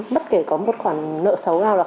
bất kể có một khoản nợ xấu nào là khó